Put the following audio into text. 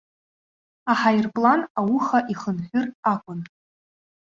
Аҳаирплан ауха ихынҳәыр акәын.